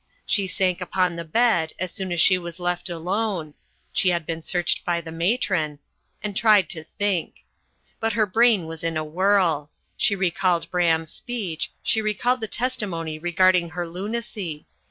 She sank upon the bed, as soon as she was left alone she had been searched by the matron and tried to think. But her brain was in a whirl. She recalled Braham's speech, she recalled the testimony regarding her lunacy.